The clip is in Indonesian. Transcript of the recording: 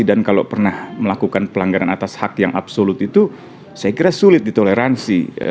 dan kalau pernah melakukan pelanggaran atas hak yang absolut itu saya kira sulit di toleransi